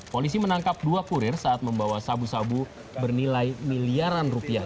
polisi menangkap dua kurir saat membawa sabu sabu bernilai miliaran rupiah